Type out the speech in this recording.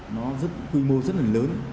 nó quy mô rất là lớn